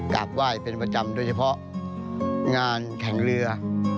กราบไหว้เป็นประจำโดยเฉพาะงานแข่งเรือ